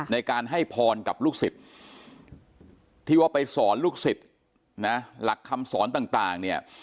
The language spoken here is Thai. ในการให้พรกับลูกศิษย์ที่ว่าไปสอนลูกศิษย์นะหลักคำสอนต่างเนี่ย